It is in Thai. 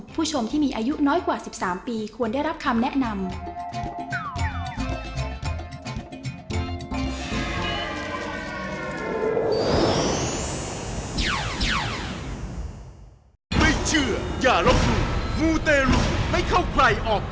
ผู้ชมที่มีอายุน้อยกว่า๑๓ปีควรได้รับคำแนะนำ